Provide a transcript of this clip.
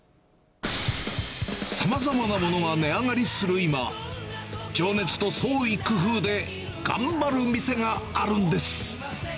さまざまなものが値上がりする今、情熱と創意工夫で頑張る店があるんです。